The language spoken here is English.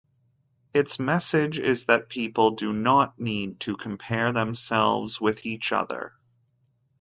Its message is that people do not need to compare themselves with each other.